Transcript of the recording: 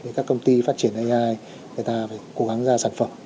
để các công ty phát triển ai để ta cố gắng ra sản phẩm